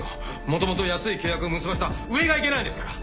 もともと安い契約結ばせた上がいけないんですから。